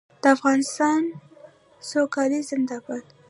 د افغانستان سوکالي زنده باد.